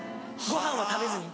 ご飯は食べずに。